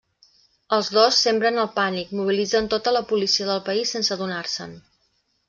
Els dos sembren el pànic, mobilitzen tota la policia del país sense adonar-se'n.